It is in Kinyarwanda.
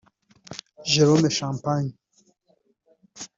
Jerome Champagne